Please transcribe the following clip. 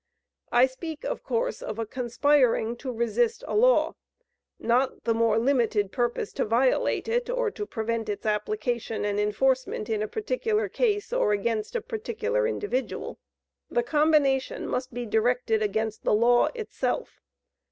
I speak, of course, of a conspiring to resist a law, not the more limited purpose to violate it, or to prevent its application and enforcement in a particular case, or against a particular individual. The combination must be directed against the law itself.